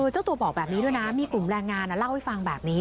เจ้าตัวบอกแบบนี้ด้วยนะมีกลุ่มแรงงานเล่าให้ฟังแบบนี้